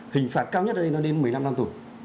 hình phạt cao nhất ở đây nó đến một mươi năm năm tù